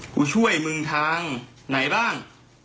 กูช่วยมึงทางไหนบ้าง